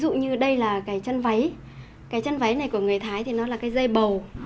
ví dụ như đây là cái chân váy cái chân váy này của người thái thì nó là cái dây bầu